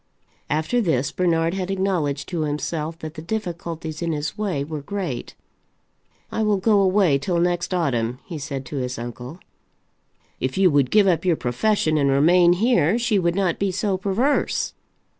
After this Bernard had acknowledged to himself that the difficulties in his way were great. "I will go away till next autumn," he said to his uncle. "If you would give up your profession and remain here, she would not be so perverse."